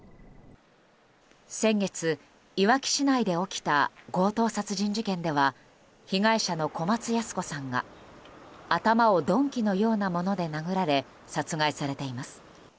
先月、いわき市内で起きた強盗殺人事件では被害者の小松ヤス子さんが頭を鈍器のようなもので殴られ殺害されています。